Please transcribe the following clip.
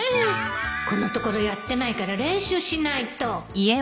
このところやってないから練習しないと